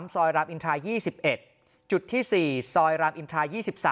๓ซอยรามอินทรา๒๑๔ซอยรามอินทรา๒๓